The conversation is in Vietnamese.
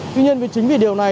tuy nhiên chính vì điều này